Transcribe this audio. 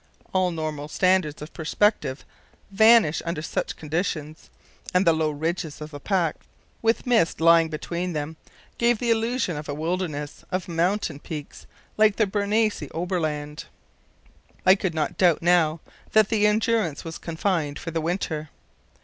All normal standards of perspective vanish under such conditions, and the low ridges of the pack, with mist lying between them, gave the illusion of a wilderness of mountain peaks like the Bernese Oberland. I could not doubt now that the Endurance was confined for the winter.